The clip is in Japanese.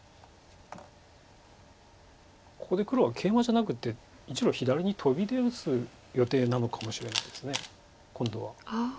ここで黒はケイマじゃなくて１路左にトビで打つ予定なのかもしれないです今度は。